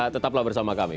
tetaplah bersama kami